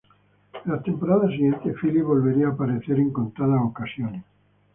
En las temporadas siguientes, Phillip volvería a aparecer en contadas ocasiones.